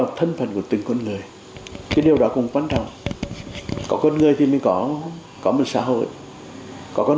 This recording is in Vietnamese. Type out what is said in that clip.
hội nhập quốc tế của dân tộc thì điều này đúng là đúng là đang phải có cái sự chờ đợi